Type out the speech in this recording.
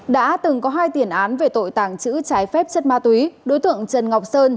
đã từng có hai tiền án về tội tàng trữ trái phép chất ma túy đối tượng trần ngọc sơn